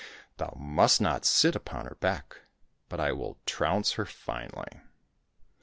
Thou must not sit upon her back, but I will trounce her finely."